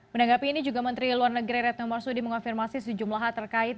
menanggapi ini juga menteri luar negeri retno marsudi mengonfirmasi sejumlah hal terkait